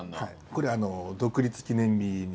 これあの独立記念日に。